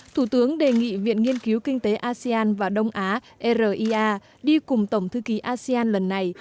thủ tướng đề nghị viện nghiên cứu kinh tế asean và đông á ria đi cùng tổng thư ký asean lần này